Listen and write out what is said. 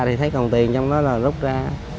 thì thấy còn tiền trong đó là rút ra